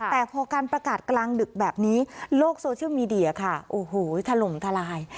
แต่พอการประกาศกลางดึกแบบนี้โลกโซเชียลมีเดียค่ะโอ้โหถล่มทลาย